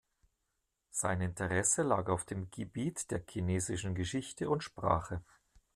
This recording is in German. Seine Interessen lagen auf dem Gebiet der chinesischen Geschichte und Sprache.